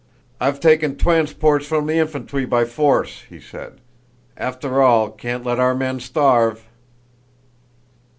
"I've taken twansports from the infantwy by force!" he said. "After all, can't let our men starve."